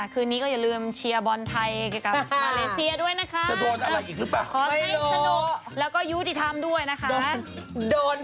คืนนี้ก็อย่าลืมเชียร์บอลไทยกับมาเลเซียด้วยนะคะ